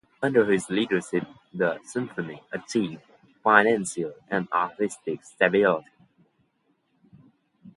Under his leadership the Symphony achieved financial and artistic stability.